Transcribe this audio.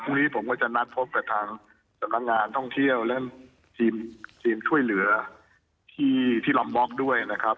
พรุ่งนี้ผมก็จะนัดพบกับทางสำนักงานท่องเที่ยวและจีนช่วยเหลือที่ลอมบ็อกด้วยนะครับ